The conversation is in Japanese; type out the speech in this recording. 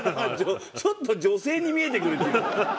ちょっと女性に見えてくるっていう。